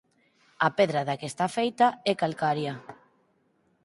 A pedra da que está feita é calcaria.